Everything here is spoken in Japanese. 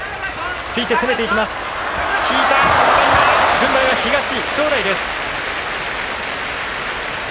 軍配は東、正代です。